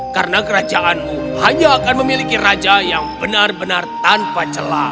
karena kerajaanmu hanya akan memiliki raja yang benar benar tanpa celah